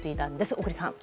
小栗さん。